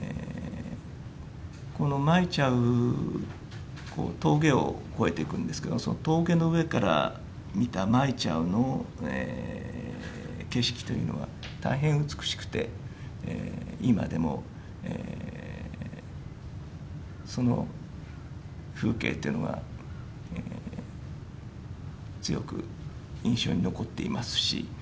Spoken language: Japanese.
このマイチャウ、峠を越えて行くんですけど、峠の上から見たマイチャウの景色というのは、大変美しくて、今でもその風景というのは強く印象に残っていますし。